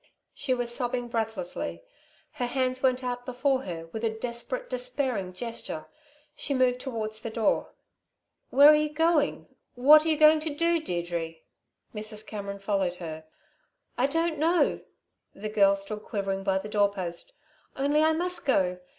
She was sobbing breathlessly; her hands went out before her with a desperate, despairing gesture. She moved towards the door. "Where are you going? What are you going to do, Deirdre?" Mrs. Cameron followed her. "I don't know!" The girl stood quivering by the doorpost. "Only I must go.